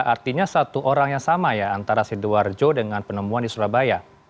artinya satu orang yang sama ya antara sidoarjo dengan penemuan di surabaya